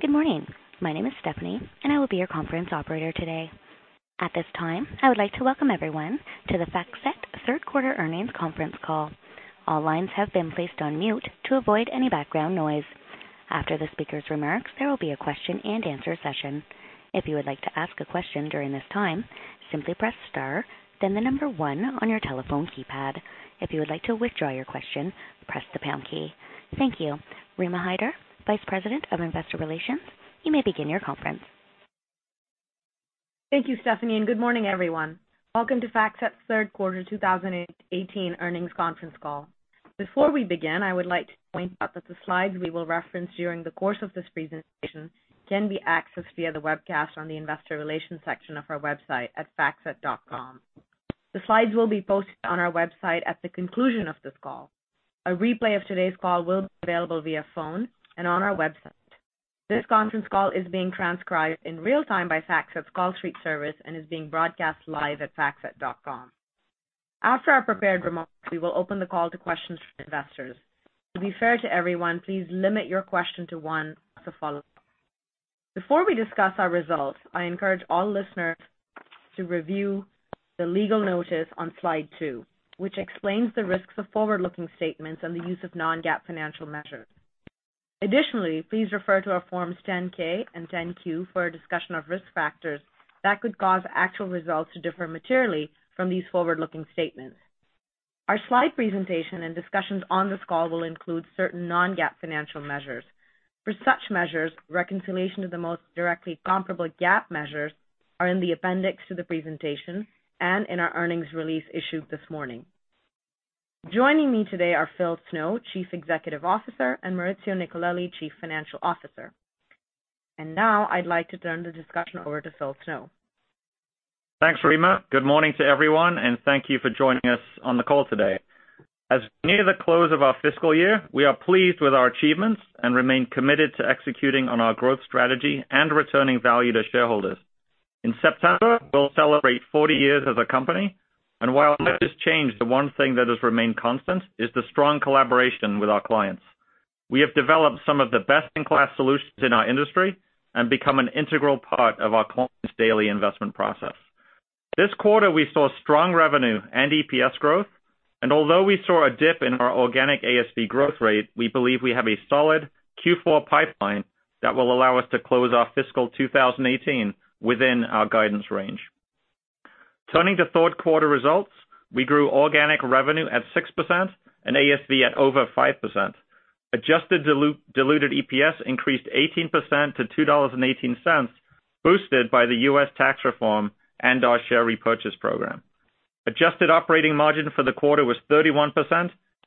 Good morning. My name is Stephanie, and I will be your conference operator today. At this time, I would like to welcome everyone to the FactSet Third Quarter Earnings Conference Call. All lines have been placed on mute to avoid any background noise. After the speakers' remarks, there will be a question-and-answer session. If you would like to ask a question during this time, simply press star, then the number one on your telephone keypad. If you would like to withdraw your question, press the pound key. Thank you. Rima Hyder, vice president of investor relations, you may begin your conference. Thank you, Stephanie, and good morning, everyone. Welcome to FactSet's Third Quarter 2018 Earnings Conference Call. Before we begin, I would like to point out that the slides we will reference during the course of this presentation can be accessed via the webcast on the investor relations section of our website at factset.com. The slides will be posted on our website at the conclusion of this call. A replay of today's call will be available via phone and on our website. This conference call is being transcribed in real time by FactSet's CallStreet service and is being broadcast live at factset.com. After our prepared remarks, we will open the call to questions from investors. To be fair to everyone, please limit your question to one plus a follow-up. Before we discuss our results, I encourage all listeners to review the legal notice on slide two, which explains the risks of forward-looking statements and the use of non-GAAP financial measures. Additionally, please refer to our Forms 10-K and 10-Q for a discussion of risk factors that could cause actual results to differ materially from these forward-looking statements. Our slide presentation and discussions on this call will include certain non-GAAP financial measures. For such measures, reconciliation to the most directly comparable GAAP measures are in the appendix to the presentation and in our earnings release issued this morning. Joining me today are Philip Snow, chief executive officer, and Maurizio Nicolelli, chief financial officer. Now I'd like to turn the discussion over to Philip Snow. Thanks, Rima. Good morning to everyone, and thank you for joining us on the call today. As we near the close of our fiscal year, we are pleased with our achievements and remain committed to executing on our growth strategy and returning value to shareholders. In September, we'll celebrate 40 years as a company, and while much has changed, the one thing that has remained constant is the strong collaboration with our clients. We have developed some of the best-in-class solutions in our industry and become an integral part of our clients' daily investment process. This quarter, we saw strong revenue and EPS growth, and although we saw a dip in our organic ASV growth rate, we believe we have a solid Q4 pipeline that will allow us to close our fiscal 2018 within our guidance range. Turning to third quarter results, we grew organic revenue at 6% and ASV at over 5%. Adjusted diluted EPS increased 18% to $2.18, boosted by the U.S. tax reform and our share repurchase program. Adjusted operating margin for the quarter was 31%,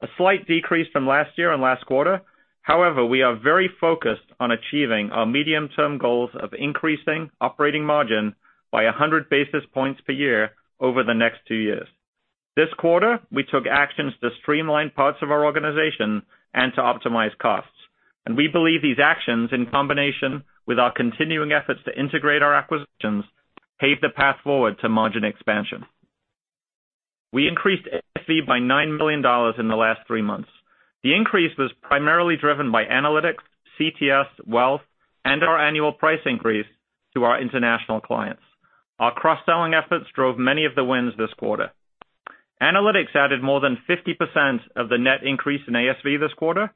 a slight decrease from last year and last quarter. We are very focused on achieving our medium-term goals of increasing operating margin by 100 basis points per year over the next two years. This quarter, we took actions to streamline parts of our organization and to optimize costs. We believe these actions, in combination with our continuing efforts to integrate our acquisitions, pave the path forward to margin expansion. We increased ASV by $9 million in the last three months. The increase was primarily driven by analytics, CTS, wealth, and our annual price increase to our international clients. Our cross-selling efforts drove many of the wins this quarter. Analytics added more than 50% of the net increase in ASV this quarter.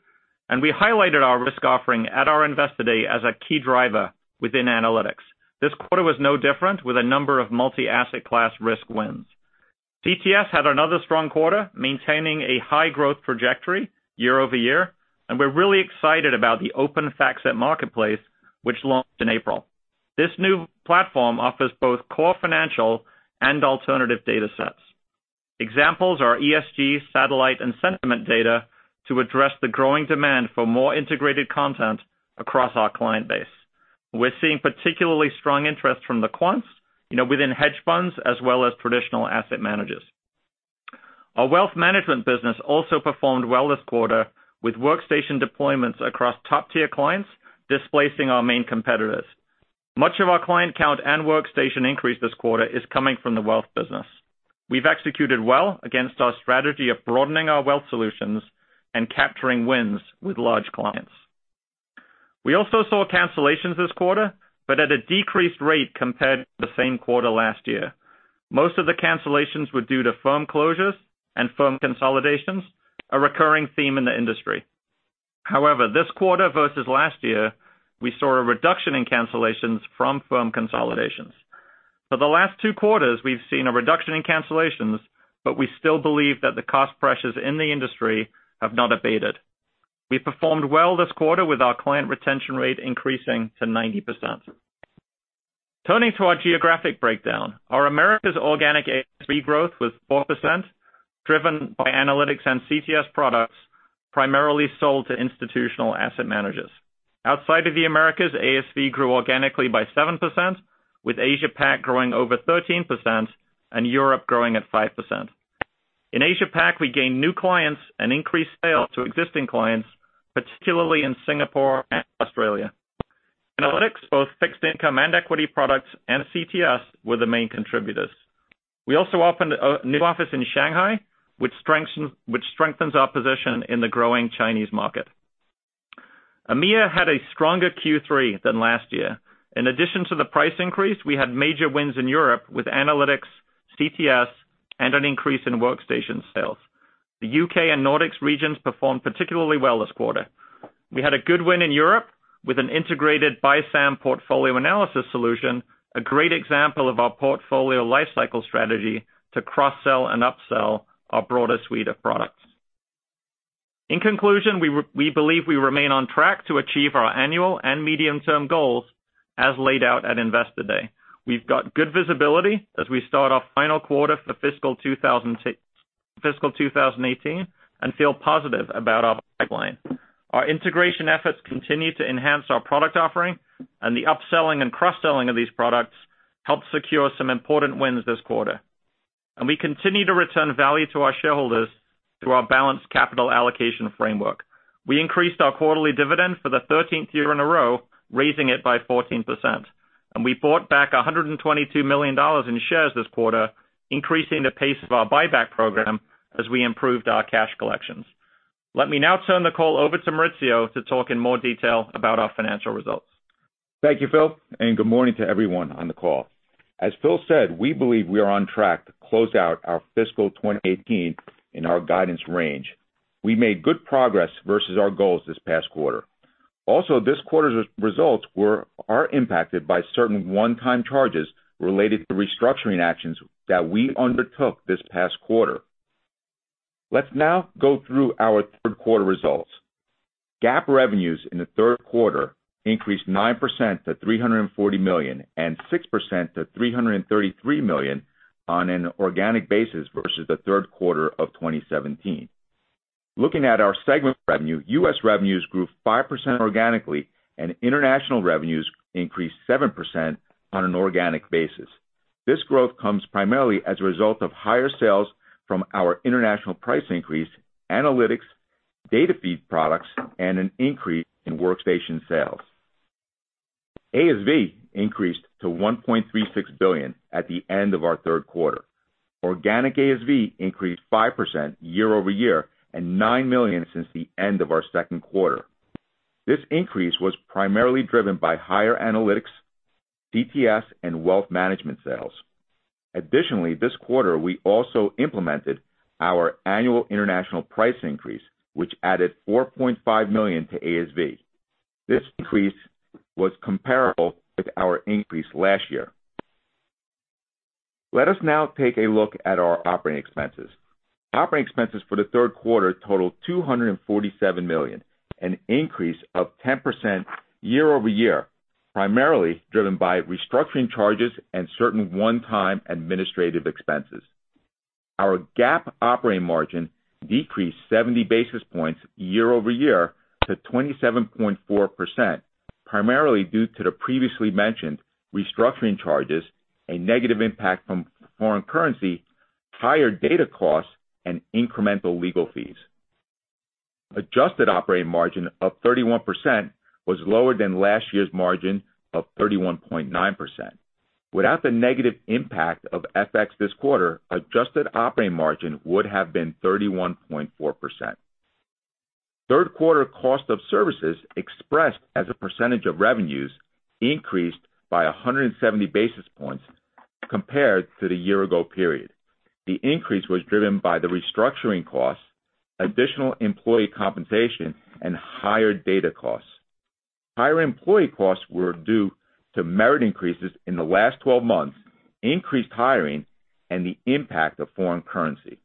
We highlighted our risk offering at our Investor Day as a key driver within analytics. This quarter was no different, with a number of multi-asset class risk wins. CTS had another strong quarter, maintaining a high growth trajectory year-over-year. We're really excited about the Open:FactSet Marketplace, which launched in April. This new platform offers both core financial and alternative data sets. Examples are ESG, satellite, and sentiment data to address the growing demand for more integrated content across our client base. We're seeing particularly strong interest from the quants within hedge funds as well as traditional asset managers. Our wealth management business also performed well this quarter with workstation deployments across top-tier clients, displacing our main competitors. Much of our client count and workstation increase this quarter is coming from the wealth business. We've executed well against our strategy of broadening our wealth solutions and capturing wins with large clients. We also saw cancellations this quarter, at a decreased rate compared to the same quarter last year. Most of the cancellations were due to firm closures and firm consolidations, a recurring theme in the industry. This quarter versus last year, we saw a reduction in cancellations from firm consolidations. For the last two quarters, we've seen a reduction in cancellations. We still believe that the cost pressures in the industry have not abated. We performed well this quarter, with our client retention rate increasing to 90%. Turning to our geographic breakdown, our Americas organic ASV growth was 4%, driven by analytics and CTS products primarily sold to institutional asset managers. Outside of the Americas, ASV grew organically by 7%, with Asia-Pac growing over 13% and Europe growing at 5%. In Asia-Pac, we gained new clients and increased sales to existing clients, particularly in Singapore and Australia. Analytics, both fixed income and equity products, and CTS were the main contributors. We also opened a new office in Shanghai, which strengthens our position in the growing Chinese market. EMEA had a stronger Q3 than last year. In addition to the price increase, we had major wins in Europe with analytics, CTS, and an increase in workstation sales. The U.K. and Nordics regions performed particularly well this quarter. We had a good win in Europe with an integrated buy-sell Portfolio Analysis solution, a great example of our portfolio lifecycle strategy to cross-sell and up-sell our broader suite of products. In conclusion, we believe we remain on track to achieve our annual and medium-term goals as laid out at Investor Day. We've got good visibility as we start our final quarter for fiscal 2018 and feel positive about our pipeline. Our integration efforts continue to enhance our product offering, and the upselling and cross-selling of these products helped secure some important wins this quarter. We continue to return value to our shareholders through our balanced capital allocation framework. We increased our quarterly dividend for the 13th year in a row, raising it by 14%. We bought back $122 million in shares this quarter, increasing the pace of our buyback program as we improved our cash collections. Let me now turn the call over to Maurizio to talk in more detail about our financial results. Thank you, Phil, and good morning to everyone on the call. As Phil said, we believe we are on track to close out our fiscal 2018 in our guidance range. We made good progress versus our goals this past quarter. Also, this quarter's results are impacted by certain one-time charges related to restructuring actions that we undertook this past quarter. Let's now go through our third quarter results. GAAP revenues in the third quarter increased 9% to $340 million and 6% to $333 million on an organic basis versus the third quarter of 2017. Looking at our segment revenue, U.S. revenues grew 5% organically, and international revenues increased 7% on an organic basis. This growth comes primarily as a result of higher sales from our international price increase, analytics, data feed products, and an increase in workstation sales. ASV increased to $1.36 billion at the end of our third quarter. Organic ASV increased 5% year-over-year and $9 million since the end of our second quarter. This increase was primarily driven by higher analytics, DTS, and wealth management sales. Additionally, this quarter, we also implemented our annual international price increase, which added $4.5 million to ASV. This increase was comparable with our increase last year. Let us now take a look at our operating expenses. Operating expenses for the third quarter totaled $247 million, an increase of 10% year-over-year, primarily driven by restructuring charges and certain one-time administrative expenses. Our GAAP operating margin decreased 70 basis points year-over-year to 27.4%, primarily due to the previously mentioned restructuring charges, a negative impact from foreign currency, higher data costs, and incremental legal fees. Adjusted operating margin of 31% was lower than last year's margin of 31.9%. Without the negative impact of FX this quarter, adjusted operating margin would have been 31.4%. Third quarter cost of services expressed as a percentage of revenues increased by 170 basis points compared to the year-ago period. The increase was driven by the restructuring costs, additional employee compensation, and higher data costs. Higher employee costs were due to merit increases in the last 12 months, increased hiring, and the impact of foreign currency.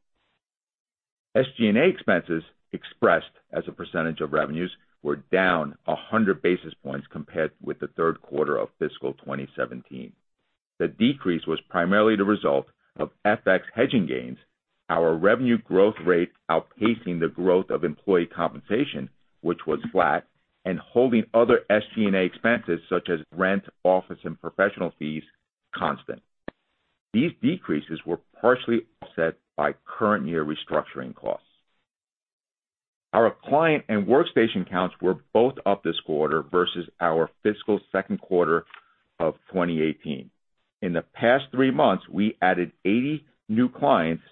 SG&A expenses, expressed as a percentage of revenues, were down 100 basis points compared with the third quarter of fiscal 2017. The decrease was primarily the result of FX hedging gains, our revenue growth rate outpacing the growth of employee compensation, which was flat, and holding other SG&A expenses such as rent, office, and professional fees constant. These decreases were partially offset by current year restructuring costs. Our client and workstation counts were both up this quarter versus our fiscal second quarter of 2018. In the past three months, we added 80 new clients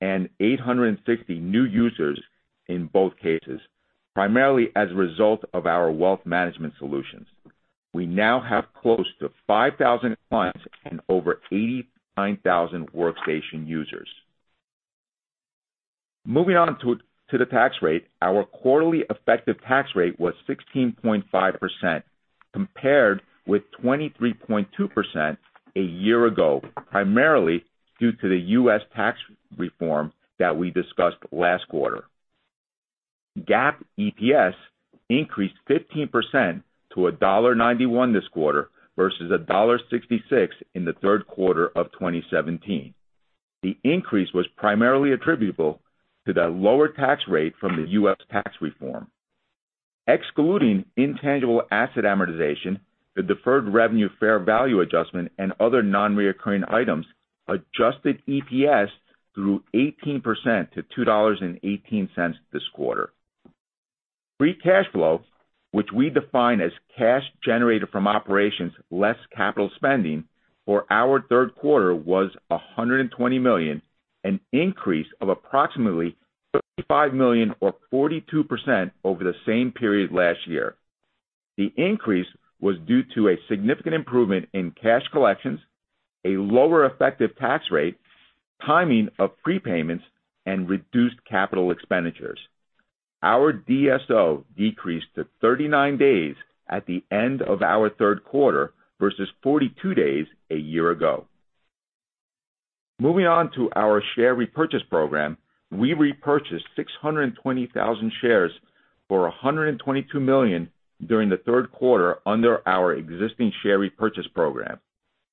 and 860 new users in both cases, primarily as a result of our wealth management solutions. We now have close to 5,000 clients and over 89,000 workstation users. Moving on to the tax rate, our quarterly effective tax rate was 16.5%, compared with 23.2% a year ago, primarily due to the U.S. tax reform that we discussed last quarter. GAAP EPS increased 15% to $1.91 this quarter versus $1.66 in the third quarter of 2017. The increase was primarily attributable to the lower tax rate from the U.S. tax reform. Excluding intangible asset amortization, the deferred revenue fair value adjustment, and other non-recurring items, adjusted EPS grew 18% to $2.18 this quarter. Free cash flow, which we define as cash generated from operations less capital spending for our third quarter was $120 million, an increase of approximately $35 million or 42% over the same period last year. The increase was due to a significant improvement in cash collections, a lower effective tax rate, timing of prepayments, and reduced capital expenditures. Our DSO decreased to 39 days at the end of our third quarter versus 42 days a year ago. Moving on to our share repurchase program, we repurchased 620,000 shares for $122 million during the third quarter under our existing share repurchase program.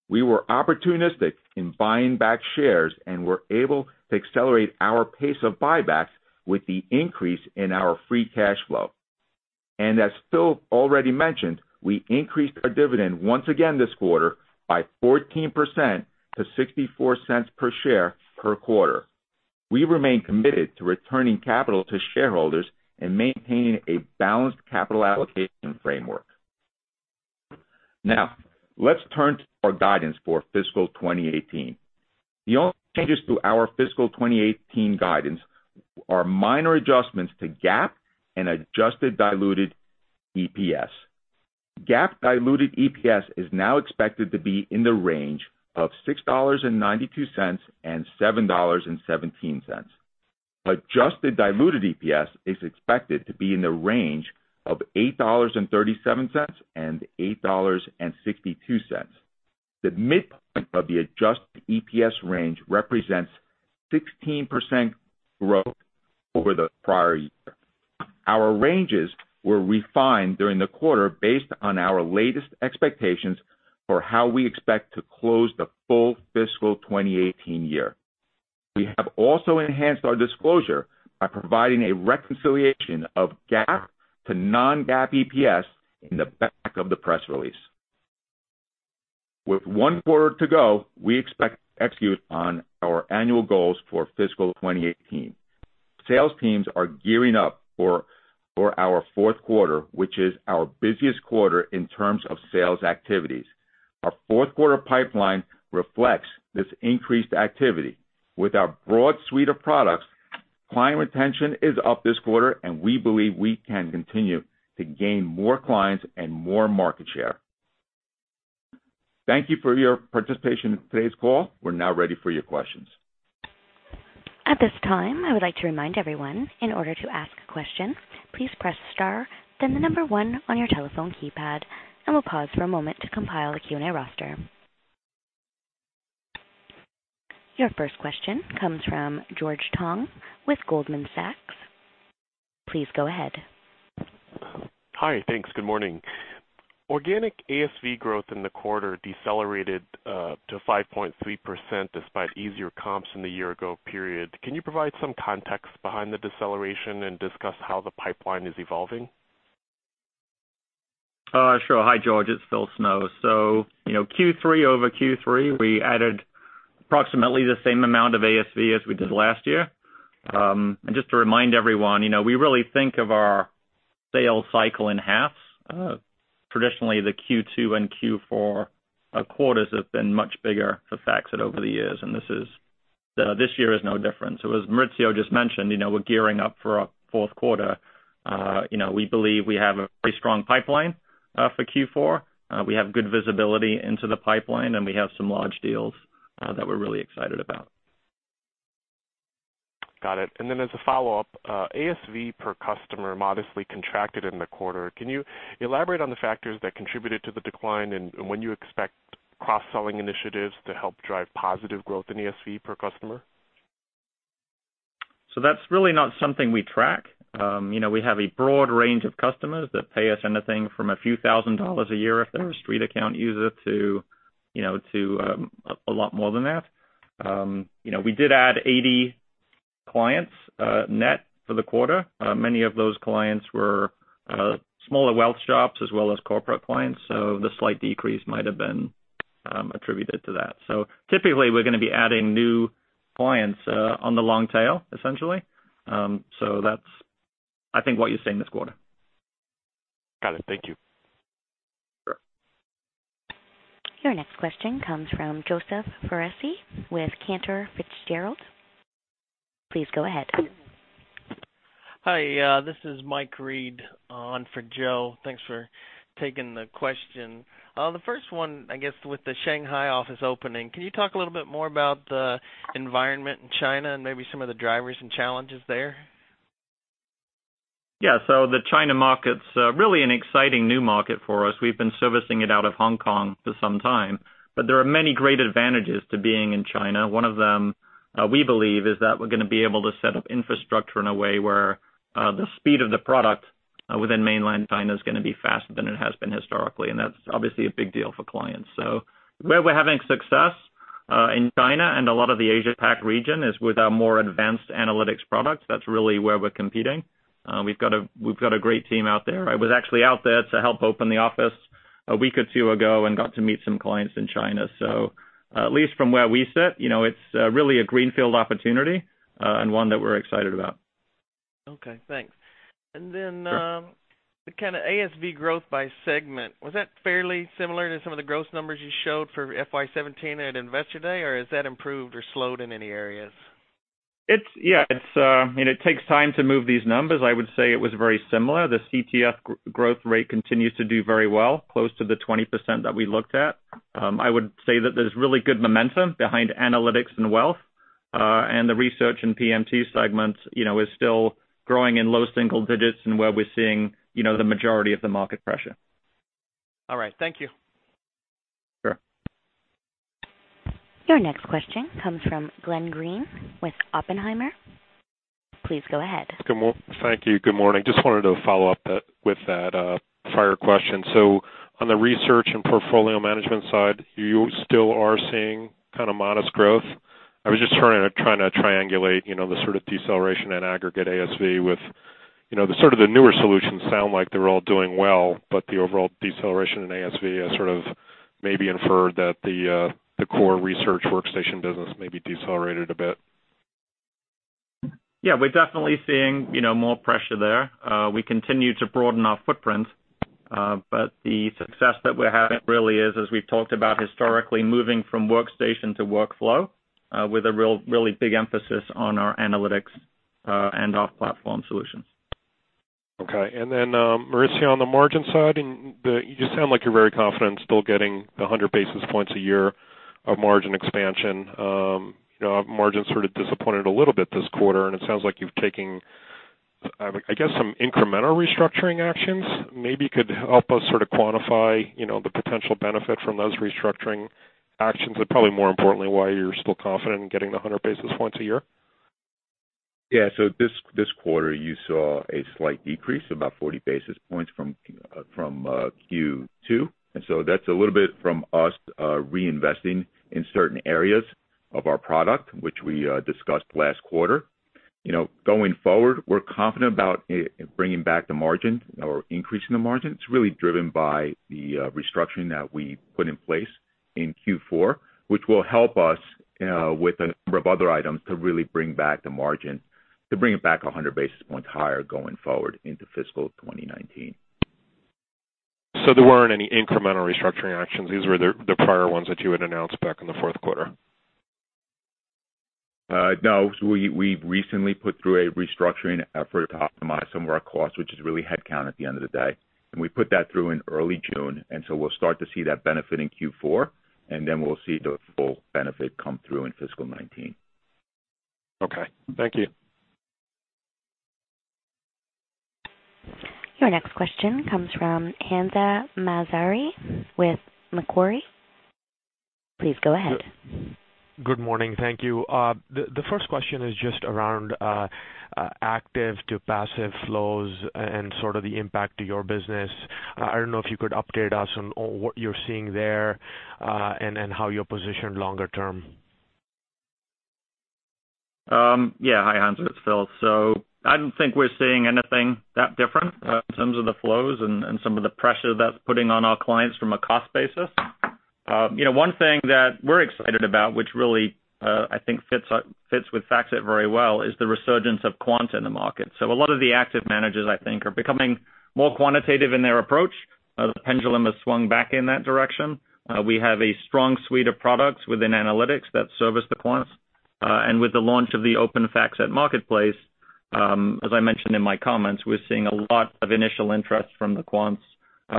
We were opportunistic in buying back shares and were able to accelerate our pace of buybacks with the increase in our free cash flow. As Phil already mentioned, we increased our dividend once again this quarter by 14% to $0.64 per share per quarter. We remain committed to returning capital to shareholders and maintaining a balanced capital allocation framework. Let's turn to our guidance for fiscal 2018. The only changes to our fiscal 2018 guidance are minor adjustments to GAAP and adjusted diluted EPS. GAAP diluted EPS is now expected to be in the range of $6.92-$7.17. Adjusted diluted EPS is expected to be in the range of $8.37-$8.62. The midpoint of the adjusted EPS range represents 16% growth over the prior year. Our ranges were refined during the quarter based on our latest expectations for how we expect to close the full fiscal 2018 year. We have also enhanced our disclosure by providing a reconciliation of GAAP to non-GAAP EPS in the back of the press release. With one quarter to go, we expect to execute on our annual goals for fiscal 2018. Sales teams are gearing up for our fourth quarter, which is our busiest quarter in terms of sales activities. Our fourth quarter pipeline reflects this increased activity. With our broad suite of products, client retention is up this quarter, and we believe we can continue to gain more clients and more market share. Thank you for your participation in today's call. We're now ready for your questions. At this time, I would like to remind everyone, in order to ask a question, please press star, then the number one on your telephone keypad, and we will pause for a moment to compile a Q&A roster. Your first question comes from George Tong with Goldman Sachs. Please go ahead. Hi. Thanks. Good morning. Organic ASV growth in the quarter decelerated to 5.3% despite easier comps than the year-ago period. Can you provide some context behind the deceleration and discuss how the pipeline is evolving? Sure. Hi, George. It is Philip Snow. Q3 over Q3, we added approximately the same amount of ASV as we did last year. Just to remind everyone, we really think of our sales cycle in halves. Traditionally, the Q2 and Q4 quarters have been much bigger for FactSet over the years, and this year is no different. As Maurizio just mentioned, we are gearing up for our fourth quarter. We believe we have a pretty strong pipeline for Q4. We have good visibility into the pipeline, and we have some large deals that we are really excited about. Got it. As a follow-up, ASV per customer modestly contracted in the quarter. Can you elaborate on the factors that contributed to the decline and when you expect cross-selling initiatives to help drive positive growth in ASV per customer? That's really not something we track. We have a broad range of customers that pay us anything from a few thousand dollars a year if they're a StreetAccount user to a lot more than that. We did add 80 clients net for the quarter. Many of those clients were smaller wealth shops as well as corporate clients, so the slight decrease might have been attributed to that. Typically, we're going to be adding new clients on the long tail, essentially. That's, I think, what you're seeing this quarter. Got it. Thank you. Sure. Your next question comes from Joseph Foresi with Cantor Fitzgerald. Please go ahead. Hi, this is Mike Reed on for Joe. Thanks for taking the question. The first one, I guess, with the Shanghai office opening, can you talk a little bit more about the environment in China and maybe some of the drivers and challenges there? Yeah. The China market's really an exciting new market for us. We've been servicing it out of Hong Kong for some time, but there are many great advantages to being in China. One of them, we believe, is that we're going to be able to set up infrastructure in a way where the speed of the product within mainland China is going to be faster than it has been historically, and that's obviously a big deal for clients. Where we're having success in China and a lot of the Asia Pac region is with our more advanced analytics products. That's really where we're competing. We've got a great team out there. I was actually out there to help open the office a week or two ago and got to meet some clients in China. At least from where we sit, it's really a greenfield opportunity and one that we're excited about. Okay, thanks. Sure The kind of ASV growth by segment, was that fairly similar to some of the growth numbers you showed for FY 2017 at Investor Day, or has that improved or slowed in any areas? Yeah. It takes time to move these numbers. I would say it was very similar. The CTS growth rate continues to do very well, close to the 20% that we looked at. I would say that there's really good momentum behind analytics and wealth, and the research and PMT segments is still growing in low single digits and where we're seeing the majority of the market pressure. All right. Thank you. Sure. Your next question comes from Glenn Greene with Oppenheimer. Please go ahead. Thank you. Good morning. Just wanted to follow up with that prior question. On the research and portfolio management side, you still are seeing kind of modest growth? I was just trying to triangulate the sort of deceleration and aggregate ASV with the sort of the newer solutions sound like they're all doing well, but the overall deceleration in ASV has sort of maybe inferred that the core research workstation business may be decelerated a bit. Yeah. We're definitely seeing more pressure there. We continue to broaden our footprint. The success that we're having really is, as we've talked about historically, moving from workstation to workflow, with a really big emphasis on our analytics and off-platform solutions. Okay. Maurizio, on the margin side, you sound like you're very confident still getting the 100 basis points a year of margin expansion. Margins sort of disappointed a little bit this quarter. It sounds like you're taking, I guess, some incremental restructuring actions. Maybe you could help us sort of quantify the potential benefit from those restructuring actions, probably more importantly, why you're still confident in getting the 100 basis points a year. Yeah. This quarter, you saw a slight decrease of about 40 basis points from Q2. That's a little bit from us reinvesting in certain areas of our product, which we discussed last quarter. Going forward, we're confident about bringing back the margin or increasing the margin. It's really driven by the restructuring that we put in place in Q4, which will help us with a number of other items to really bring back the margin, to bring it back 100 basis points higher going forward into fiscal 2019. There weren't any incremental restructuring actions. These were the prior ones that you had announced back in the fourth quarter? No, we've recently put through a restructuring effort to optimize some of our costs, which is really headcount at the end of the day. We put that through in early June, we'll start to see that benefit in Q4, then we'll see the full benefit come through in fiscal 2019. Okay. Thank you. Your next question comes from Hamzah Mazari with Macquarie. Please go ahead. Good morning. Thank you. The first question is just around active to passive flows and sort of the impact to your business. I don't know if you could update us on what you're seeing there, then how you're positioned longer term. Yeah. Hi, Hamzah, it's Phil. I don't think we're seeing anything that different in terms of the flows and some of the pressure that's putting on our clients from a cost basis. One thing that we're excited about, which really I think fits with FactSet very well, is the resurgence of quant in the market. A lot of the active managers, I think, are becoming more quantitative in their approach. The pendulum has swung back in that direction. We have a strong suite of products within analytics that service the quants. With the launch of the Open:FactSet Marketplace, as I mentioned in my comments, we're seeing a lot of initial interest from the quants,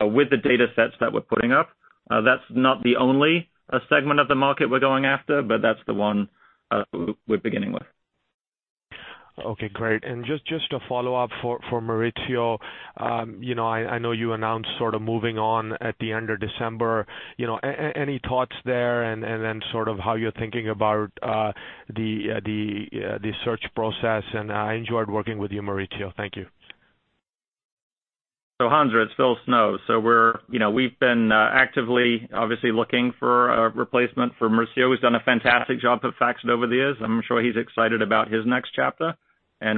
with the datasets that we're putting up. That's not the only segment of the market we're going after, but that's the one we're beginning with. Okay, great. Just a follow-up for Maurizio. I know you announced sort of moving on at the end of December. Any thoughts there, then sort of how you're thinking about the search process, I enjoyed working with you, Maurizio. Thank you. Hamzah, it's Phil Snow. We've been actively, obviously, looking for a replacement for Maurizio, who's done a fantastic job at FactSet over the years. I'm sure he's excited about his next chapter.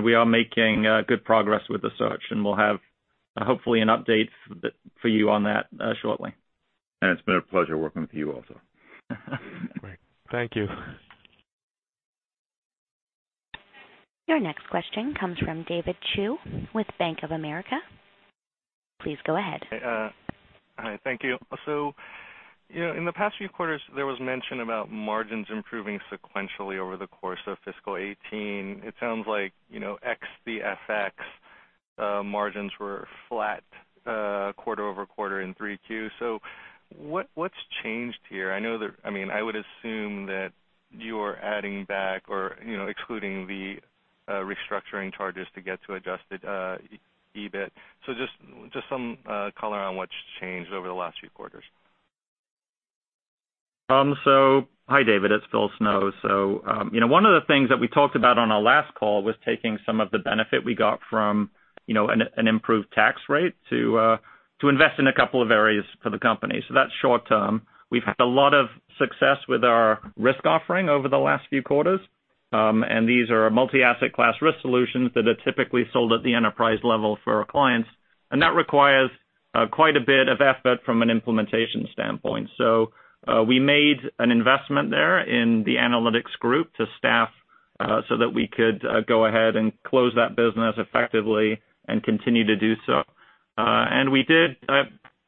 We are making good progress with the search, we'll have, hopefully, an update for you on that shortly. It's been a pleasure working with you also. Great. Thank you. Your next question comes from David Chu with Bank of America. Please go ahead. Hi. Thank you. In the past few quarters, there was mention about margins improving sequentially over the course of fiscal 2018. It sounds like, ex the FX, margins were flat quarter over-quarter in 3Q. What's changed here? I would assume that you're adding back or excluding the restructuring charges to get to adjusted EBIT. Just some color on what's changed over the last few quarters. Hi, David. It's Phil Snow. One of the things that we talked about on our last call was taking some of the benefit we got from an improved tax rate to invest in a couple of areas for the company. That's short term. We've had a lot of success with our risk offering over the last few quarters. These are multi-asset-class risk solutions that are typically sold at the enterprise level for our clients. That requires quite a bit of effort from an implementation standpoint. We made an investment there in the analytics group to staff so that we could go ahead and close that business effectively and continue to do so. We did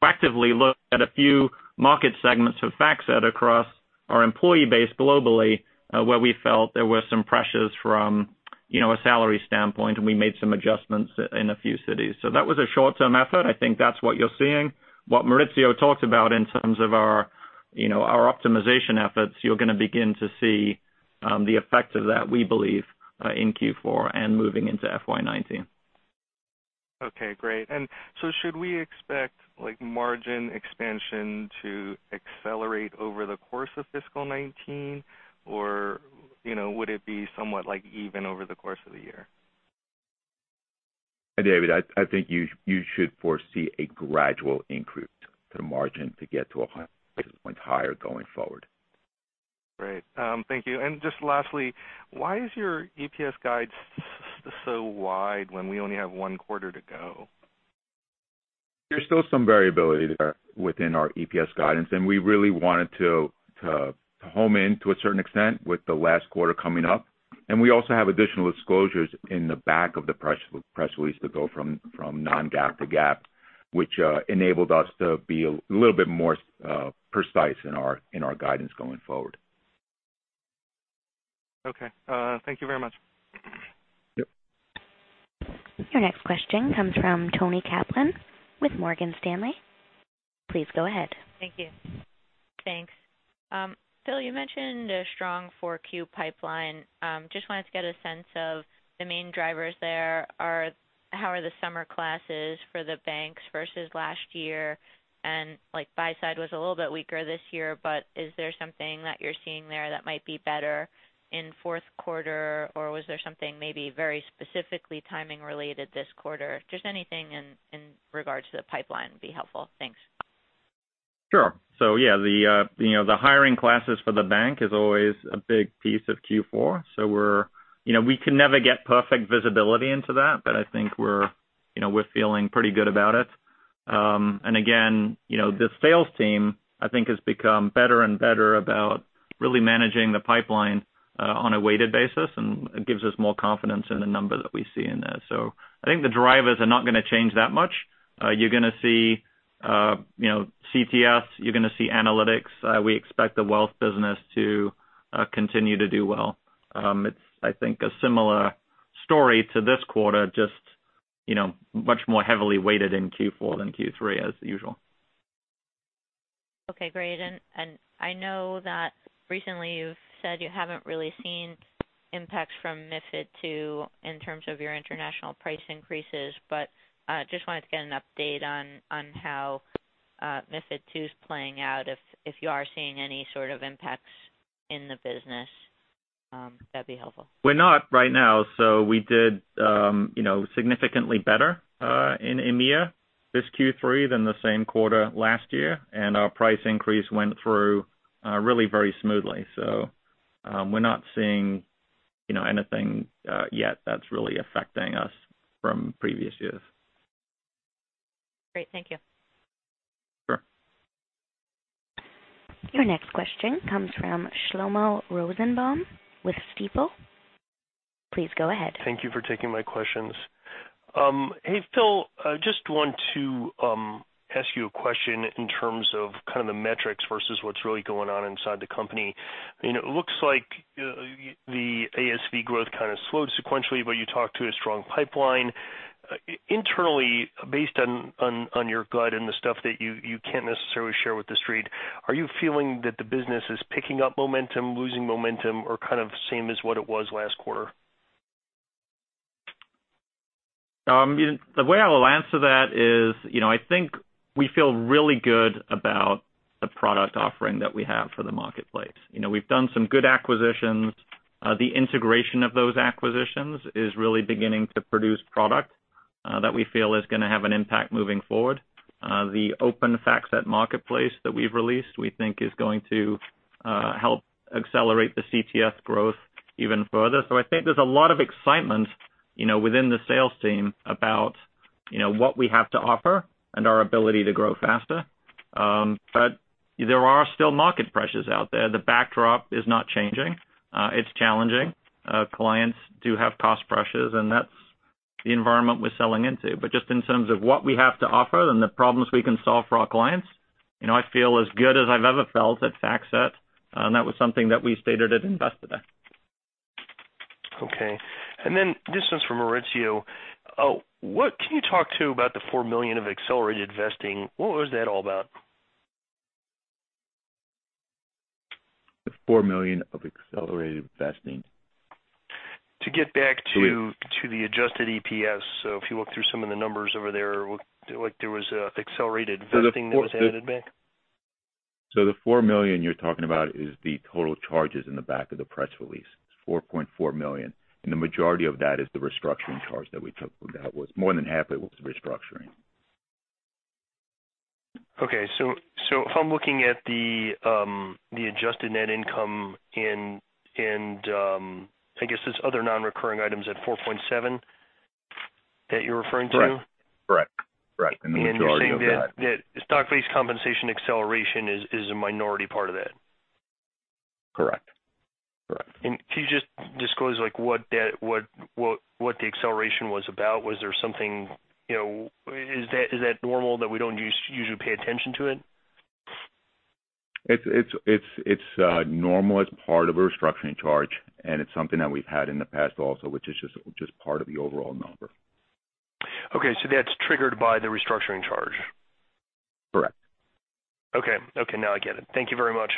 actively look at a few market segments for FactSet across our employee base globally, where we felt there were some pressures from a salary standpoint, and we made some adjustments in a few cities. That was a short-term effort. I think that's what you're seeing. What Maurizio talked about in terms of our optimization efforts, you're going to begin to see the effect of that, we believe, in Q4 and moving into FY 2019. Okay, great. Should we expect margin expansion to accelerate over the course of fiscal 2019, or would it be somewhat even over the course of the year? David, I think you should foresee a gradual increase to the margin to get to 100 basis points higher going forward. Great. Thank you. Just lastly, why is your EPS guide so wide when we only have one quarter to go? There's still some variability there within our EPS guidance, and we really wanted to home in to a certain extent with the last quarter coming up. We also have additional disclosures in the back of the press release that go from non-GAAP to GAAP, which enabled us to be a little bit more precise in our guidance going forward. Okay. Thank you very much. Yep. Your next question comes from Toni Kaplan with Morgan Stanley. Please go ahead. Thank you. Thanks. Phil, you mentioned a strong 4Q pipeline. Just wanted to get a sense of the main drivers there are how are the summer classes for the banks versus last year? Buy side was a little bit weaker this year, but is there something that you're seeing there that might be better in fourth quarter, or was there something maybe very specifically timing related this quarter? Just anything in regards to the pipeline would be helpful. Thanks. Sure. Yeah, the hiring classes for the bank is always a big piece of Q4. We can never get perfect visibility into that, but I think we're feeling pretty good about it. The sales team, I think, has become better and better about really managing the pipeline on a weighted basis, and it gives us more confidence in the number that we see in there. I think the drivers are not going to change that much. You're going to see CTS, you're going to see analytics. We expect the wealth business to continue to do well. It's, I think, a similar story to this quarter, just much more heavily weighted in Q4 than Q3 as usual. Okay, great. I know that recently you've said you haven't really seen impacts from MiFID II in terms of your international price increases, but just wanted to get an update on how MiFID II is playing out. If you are seeing any sort of impacts in the business, that'd be helpful. We're not right now. We did significantly better in EMEA this Q3 than the same quarter last year, Our price increase went through really very smoothly. We're not seeing anything yet that's really affecting us from previous years. Great. Thank you. Sure. Your next question comes from Shlomo Rosenbaum with Stifel. Please go ahead. Thank you for taking my questions. Hey, Phil, just want to ask you a question in terms of kind of the metrics versus what's really going on inside the company. It looks like the ASV growth kind of slowed sequentially, you talked to a strong pipeline. Internally, based on your guide and the stuff that you can't necessarily share with The Street, are you feeling that the business is picking up momentum, losing momentum, or kind of same as what it was last quarter? The way I will answer that is, I think we feel really good about the product offering that we have for the marketplace. We've done some good acquisitions. The integration of those acquisitions is really beginning to produce product that we feel is going to have an impact moving forward. The Open:FactSet Marketplace that we've released, we think is going to help accelerate the CTS growth even further. I think there's a lot of excitement within the sales team about what we have to offer and our ability to grow faster. There are still market pressures out there. The backdrop is not changing. It's challenging. Clients do have cost pressures, and that's the environment we're selling into. Just in terms of what we have to offer and the problems we can solve for our clients, I feel as good as I've ever felt at FactSet, and that was something that we stated at Investor Day. Okay. This one's for Maurizio. Can you talk too about the $4 million of accelerated vesting? What was that all about? The $4 million of accelerated vesting. To get back to the adjusted EPS. If you look through some of the numbers over there, like there was accelerated vesting that was added back. The $4 million you're talking about is the total charges in the back of the press release. It's $4.4 million, the majority of that is the restructuring charge that we took. More than half it was restructuring. Okay. If I'm looking at the adjusted net income and I guess this other non-recurring item is at $4.7 that you're referring to? Correct. The majority of that. You're saying that stock-based compensation acceleration is a minority part of that? Correct. Can you just disclose what the acceleration was about? Was there something? Is that normal that we don't usually pay attention to it? It's normal. It's part of a restructuring charge. It's something that we've had in the past also, which is just part of the overall number. Okay. That's triggered by the restructuring charge? Correct. Okay. Now I get it. Thank you very much.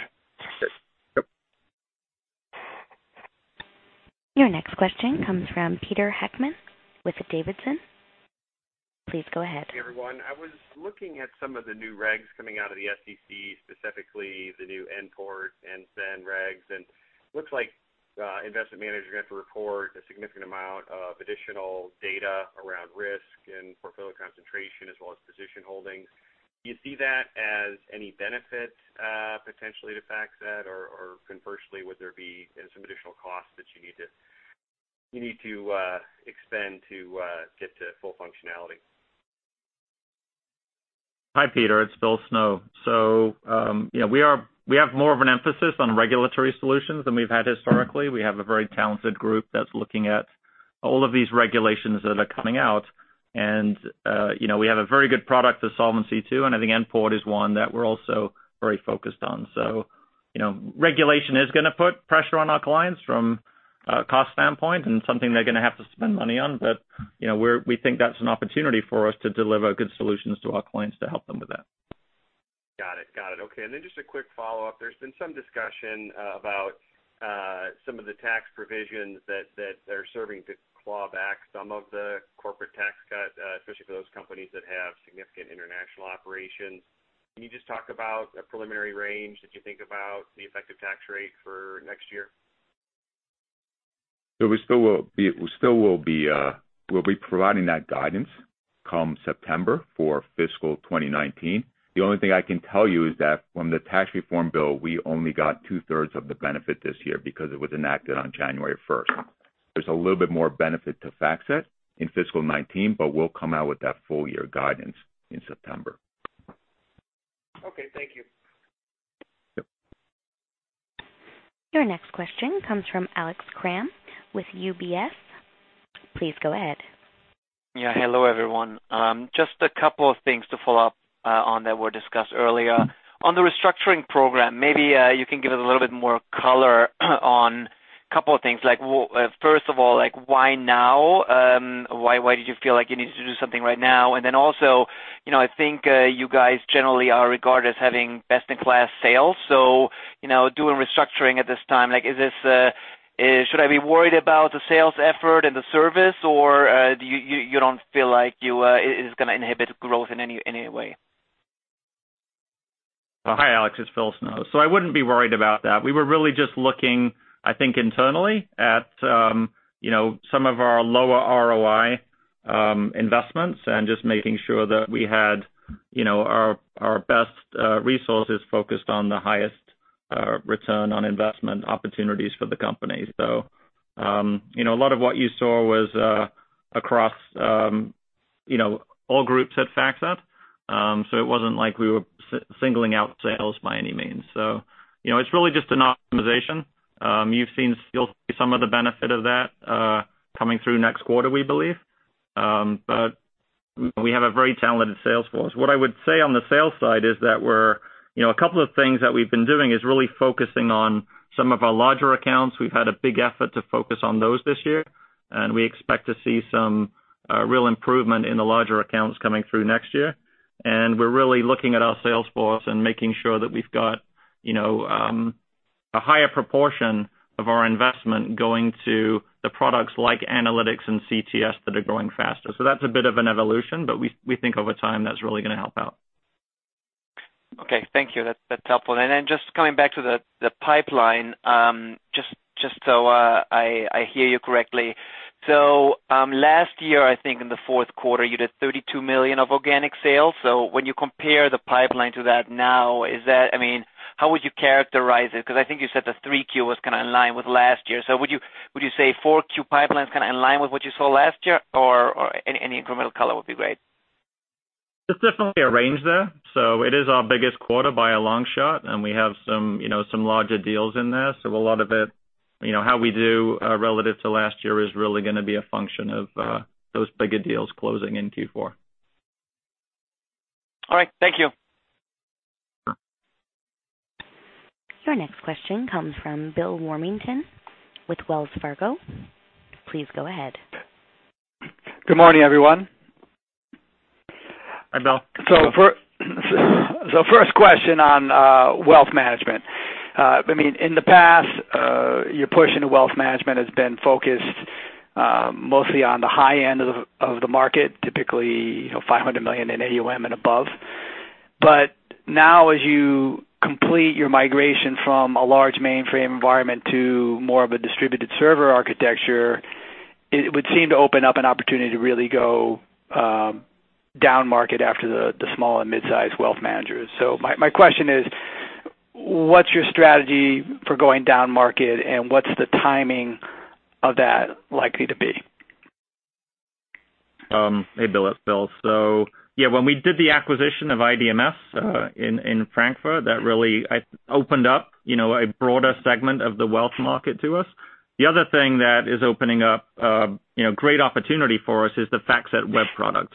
Sure. Yep. Your next question comes from Peter Heckmann with Davidson. Please go ahead. Hey, everyone. I was looking at some of the new regs coming out of the SEC, specifically the new N-PORT, N-SAR regs, and looks like investment managers are going to have to report a significant amount of additional data around risk and portfolio concentration, as well as position holdings. Do you see that as any benefit, potentially, to FactSet? Conversely, would there be some additional costs that you need to expend to get to full functionality? Hi, Peter. It's Phil Snow. We have more of an emphasis on regulatory solutions than we've had historically. We have a very talented group that's looking at all of these regulations that are coming out. I think N-PORT is one that we're also very focused on. Regulation is going to put pressure on our clients from a cost standpoint and something they're going to have to spend money on. We think that's an opportunity for us to deliver good solutions to our clients to help them with that. Got it. Okay. Then just a quick follow-up. There's been some discussion about some of the tax provisions that are serving to claw back some of the corporate tax cut, especially for those companies that have significant international operations. Can you just talk about a preliminary range that you think about the effective tax rate for next year? We still will be providing that guidance come September for fiscal 2019. The only thing I can tell you is that from the tax reform bill, we only got two-thirds of the benefit this year because it was enacted on January 1st. There's a little bit more benefit to FactSet in fiscal 2019, but we'll come out with that full year guidance in September. Okay. Thank you. Yep. Your next question comes from Alex Kramm with UBS. Please go ahead. Hello, everyone. Just a couple of things to follow up on that were discussed earlier. On the restructuring program, maybe you can give us a little bit more color on a couple of things. First of all, why now? Why did you feel like you needed to do something right now? Also, I think you guys generally are regarded as having best in class sales. Doing restructuring at this time, should I be worried about the sales effort and the service, or you don't feel like it is going to inhibit growth in any way? Hi, Alex. It's Philip Snow. I wouldn't be worried about that. We were really just looking, I think, internally at some of our lower ROI investments and just making sure that we had our best resources focused on the highest return on investment opportunities for the company. It wasn't like we were singling out sales by any means. It's really just an optimization. You'll see some of the benefit of that coming through next quarter, we believe. We have a very talented sales force. What I would say on the sales side is that a couple of things that we've been doing is really focusing on some of our larger accounts. We've had a big effort to focus on those this year, and we expect to see some real improvement in the larger accounts coming through next year. We're really looking at our sales force and making sure that we've got a higher proportion of our investment going to the products like analytics and CTS that are growing faster. That's a bit of an evolution, but we think over time, that's really going to help out. Okay. Thank you. That's helpful. Just coming back to the pipeline, just so I hear you correctly. Last year, I think in the fourth quarter, you did $32 million of organic sales. When you compare the pipeline to that now, how would you characterize it? Because I think you said the 3Q was kind of in line with last year. Would you say 4Q pipeline's kind of in line with what you saw last year? Any incremental color would be great. There's definitely a range there. It is our biggest quarter by a long shot, and we have some larger deals in there. A lot of it, how we do relative to last year is really going to be a function of those bigger deals closing in Q4. All right. Thank you. Your next question comes from Bill Warmington with Wells Fargo. Please go ahead. Good morning, everyone. Hi, Bill. First question on wealth management. In the past, your push into wealth management has been focused mostly on the high end of the market, typically, $500 million in AUM and above. Now, as you complete your migration from a large mainframe environment to more of a distributed server architecture, it would seem to open up an opportunity to really go down market after the small and mid-size wealth managers. My question is, what's your strategy for going down market, and what's the timing of that likely to be? Hey, Bill. It's Phil. Yeah, when we did the acquisition of IDMS in Frankfurt, that really opened up a broader segment of the wealth market to us. The other thing that is opening up a great opportunity for us is the FactSet Web product.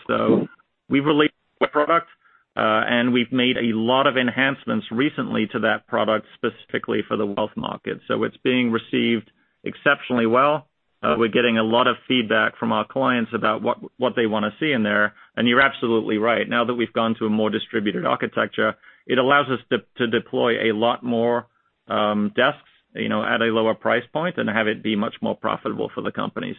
We've released the Web product, and we've made a lot of enhancements recently to that product specifically for the wealth market. It's being received exceptionally well. We're getting a lot of feedback from our clients about what they want to see in there, and you're absolutely right. Now that we've gone to a more distributed architecture, it allows us to deploy a lot more desks at a lower price point and have it be much more profitable for the company.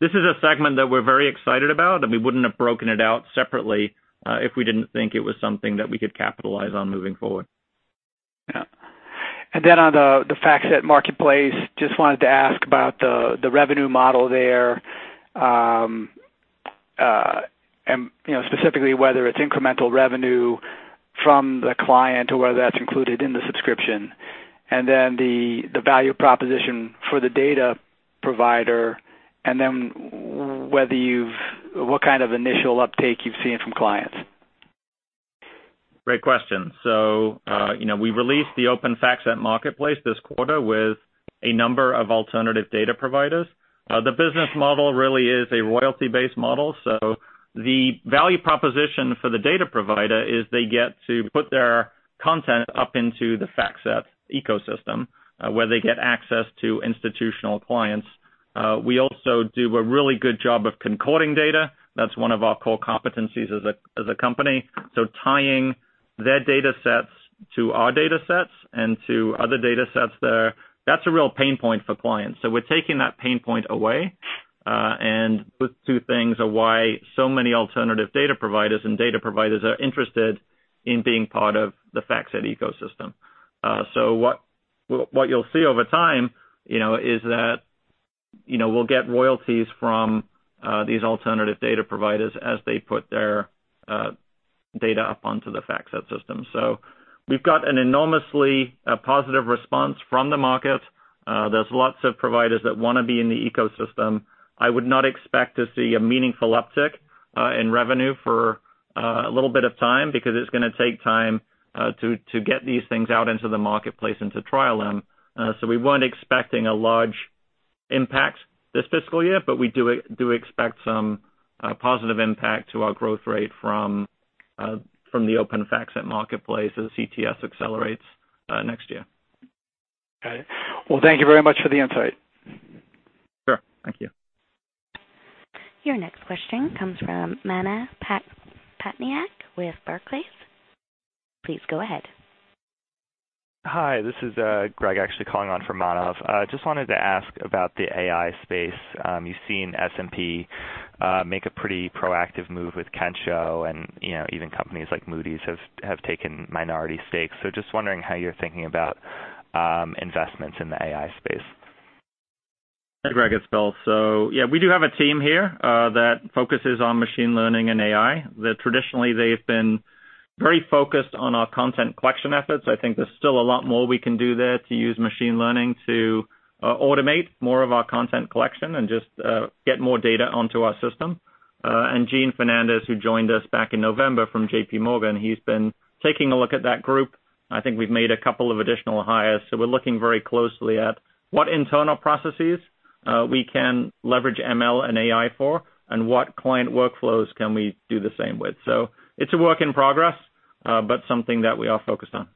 This is a segment that we're very excited about, and we wouldn't have broken it out separately if we didn't think it was something that we could capitalize on moving forward. Yeah. On the FactSet Marketplace, just wanted to ask about the revenue model there, specifically whether it's incremental revenue from the client or whether that's included in the subscription, and then the value proposition for the data provider, and then what kind of initial uptake you've seen from clients. Great question. We released the Open:FactSet Marketplace this quarter with a number of alternative data providers. The business model really is a royalty-based model. The value proposition for the data provider is they get to put their content up into the FactSet ecosystem, where they get access to institutional clients. We also do a really good job of concording data. That's one of our core competencies as a company. Tying their datasets to our datasets and to other datasets there, that's a real pain point for clients. We're taking that pain point away, and those two things are why so many alternative data providers and data providers are interested in being part of the FactSet ecosystem. What you'll see over time is that we'll get royalties from these alternative data providers as they put their data up onto the FactSet system. We've got an enormously positive response from the market. There's lots of providers that want to be in the ecosystem. I would not expect to see a meaningful uptick in revenue for a little bit of time, because it's going to take time to get these things out into the marketplace and to trial them. We weren't expecting a large impact this fiscal year, but we do expect some positive impact to our growth rate from the Open:FactSet Marketplace as CTS accelerates next year. Got it. Thank you very much for the insight. Sure. Thank you. Your next question comes from Manav Patnaik with Barclays. Please go ahead. Hi, this is Greg actually calling on for Manav. Just wanted to ask about the AI space. You've seen S&P make a pretty proactive move with Kensho and even companies like Moody's have taken minority stakes. Just wondering how you're thinking about investments in the AI space. Hey, Greg. It's Phil. Yeah, we do have a team here that focuses on machine learning and AI. Traditionally, they've been very focused on our content collection efforts. I think there's still a lot more we can do there to use machine learning to automate more of our content collection and just get more data onto our system. Gene Fernandez, who joined us back in November from JPMorgan, he's been taking a look at that group, and I think we've made a couple of additional hires. We're looking very closely at what internal processes we can leverage ML and AI for and what client workflows can we do the same with. It's a work in progress, but something that we are focused on.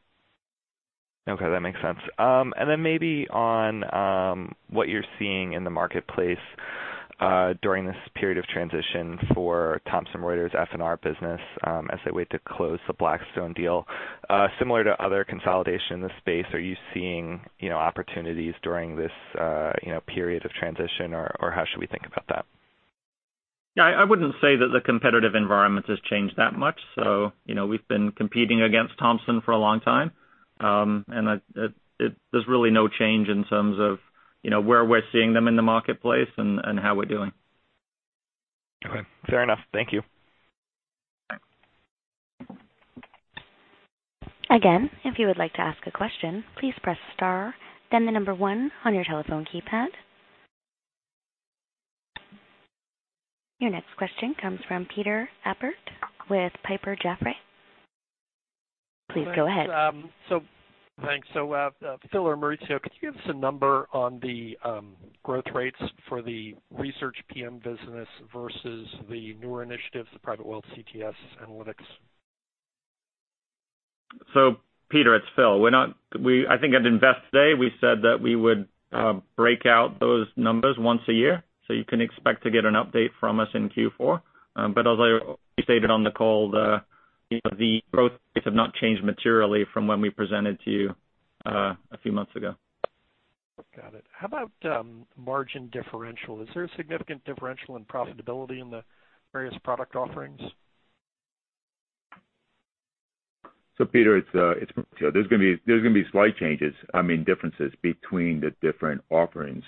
Okay, that makes sense. Then maybe on what you're seeing in the marketplace during this period of transition for Thomson Reuters F&R business as they wait to close the Blackstone deal. Similar to other consolidation in the space, are you seeing opportunities during this period of transition, or how should we think about that? Yeah, I wouldn't say that the competitive environment has changed that much. We've been competing against Thomson Reuters for a long time. There's really no change in terms of where we're seeing them in the marketplace and how we're doing. Okay, fair enough. Thank you. Bye. Again, if you would like to ask a question, please press star, then the number one on your telephone keypad. Your next question comes from Peter Appert with Piper Jaffray. Please go ahead. Thanks. Phil or Maurizio, could you give us a number on the growth rates for the research PM business versus the newer initiatives, the private wealth CTS analytics? Peter, it's Phil. I think at Investor Day, we said that we would break out those numbers once a year, so you can expect to get an update from us in Q4. As I stated on the call, the growth rates have not changed materially from when we presented to you a few months ago. Got it. How about margin differential? Is there a significant differential in profitability in the various product offerings? Peter, there's going to be slight changes, I mean, differences between the different offerings.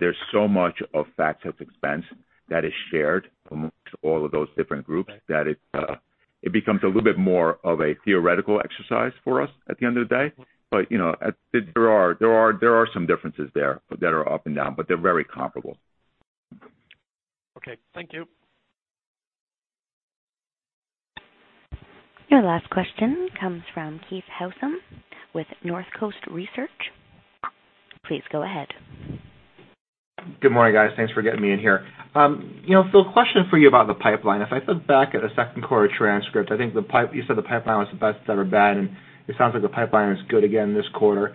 There's so much of FactSet's expense that is shared amongst all of those different groups that it becomes a little bit more of a theoretical exercise for us at the end of the day. There are some differences there that are up and down, but they're very comparable. Okay. Thank you. Your last question comes from Keith Housum with Northcoast Research. Please go ahead. Good morning, guys. Thanks for getting me in here. Phil, question for you about the pipeline. If I look back at the second quarter transcript, I think you said the pipeline was the best it's ever been, and it sounds like the pipeline is good again this quarter.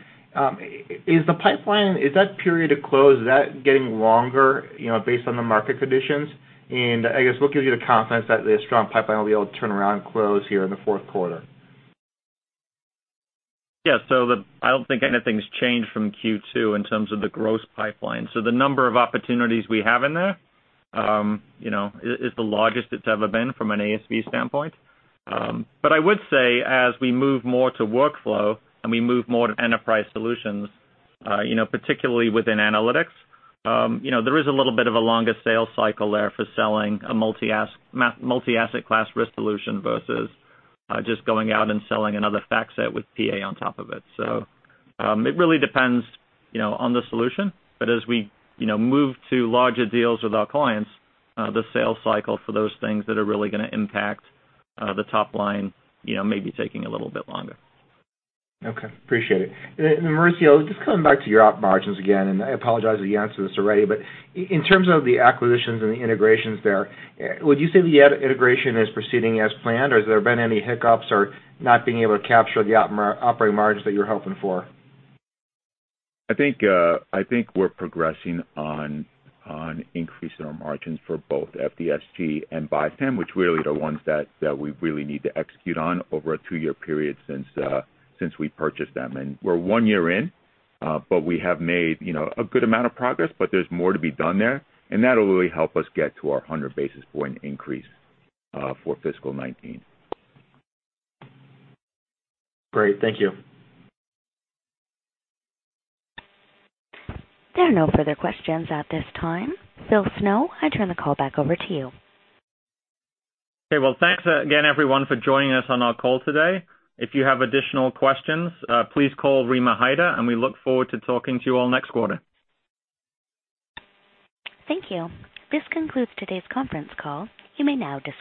Is the pipeline, is that period to close, is that getting longer, based on the market conditions? I guess what gives you the confidence that the strong pipeline will be able to turn around and close here in the fourth quarter? Yeah. I don't think anything's changed from Q2 in terms of the gross pipeline. The number of opportunities we have in there is the largest it's ever been from an ASV standpoint. I would say as we move more to workflow, and we move more to enterprise solutions, particularly within analytics, there is a little bit of a longer sales cycle there for selling a multi-asset class risk solution versus just going out and selling another FactSet with PA on top of it. It really depends on the solution. As we move to larger deals with our clients, the sales cycle for those things that are really going to impact the top line may be taking a little bit longer. Okay. Appreciate it. Maurizio, just coming back to your op margins again, I apologize if you answered this already, in terms of the acquisitions and the integrations there, would you say the integration is proceeding as planned, or has there been any hiccups or not being able to capture the operating margins that you're hoping for? I think we're progressing on increasing our margins for both FDSG and BISAM, which really are the ones that we really need to execute on over a two-year period since we purchased them. We're one year in, but we have made a good amount of progress, but there's more to be done there, and that'll really help us get to our 100 basis points increase for fiscal 2019. Great. Thank you. There are no further questions at this time. Philip Snow, I turn the call back over to you. Okay. Well, thanks again, everyone, for joining us on our call today. If you have additional questions, please call Rima Hyder, and we look forward to talking to you all next quarter. Thank you. This concludes today's conference call. You may now disconnect.